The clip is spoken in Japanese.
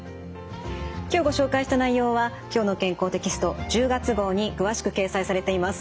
今日ご紹介した内容は「きょうの健康」テキスト１０月号に詳しく掲載されています。